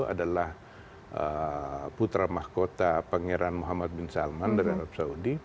adalah putra mahkota pangeran muhammad bin salman dari arab saudi